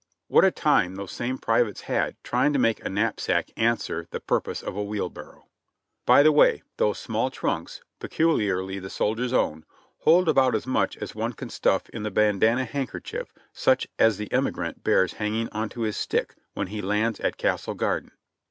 What a time those same privates had trying to make a knap sack answer the purpose of a wheelbarrow ! By the way, those small trunks, peculiarly the soldier's own, hold about as much as one can stuff in the bandana handkerchief such as the emigrant bears hanging onto his stick when he lands at Castle Garden.